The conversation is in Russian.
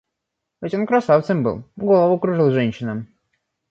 Ведь он красавцем был, голову кружил женщинам.